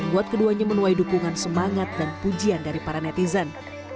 buat keduanya menuai dukungan semangat dan pujian dari para netizen